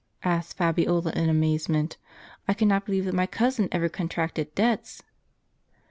asked Fabiola in amaze ment. " I cannot believe that my cousin ever contracted debts."